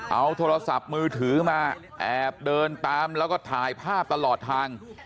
เอาโทรศัพท์มือถือมาแอบเดินตามแล้วก็ถ่ายภาพตลอดทาง